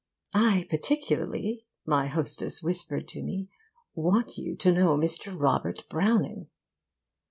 "I particularly," my hostess whispered to me, "want you to know Mr. Robert Browning."